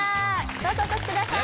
どうぞお越しください。